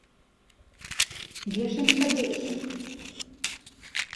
Дзе ж яны падзеліся?